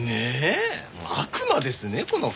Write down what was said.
悪魔ですねこの２人。